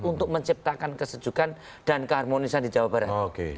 untuk menciptakan kesejukan dan keharmonisan di jawa barat